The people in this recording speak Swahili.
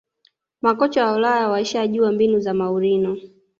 makocha wa ulaya washajua mbinu za mourinho